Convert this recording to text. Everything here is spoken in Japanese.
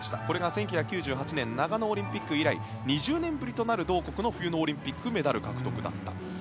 これは１９９８年長野オリンピック以来２０年ぶりとなる同国の冬のオリンピックメダル獲得だった。